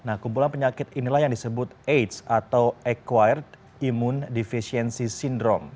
nah kumpulan penyakit inilah yang disebut aids atau acquired immune deficiency syndrome